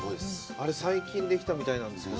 あれ、最近できたみたいなんですけど。